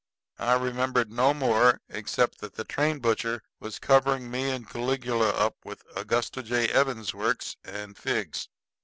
I remembered no more, except that the train butcher was covering me and Caligula up with Augusta J. Evans's works and figs.